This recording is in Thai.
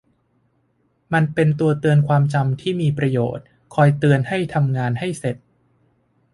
มันเป็นตัวเตือนความจำที่มีประโยชน์ คอยเตือนให้ทำงานให้เสร็จ